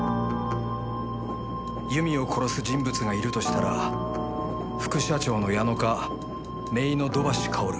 由美を殺す人物がいるとしたら副社長の矢野か姪の土橋かおる。